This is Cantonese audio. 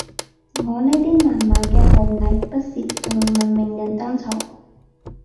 我呢啲南蠻嘅後裔，不屑同文明人爭吵